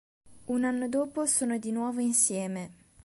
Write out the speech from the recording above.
Un anno dopo sono di nuovo insieme.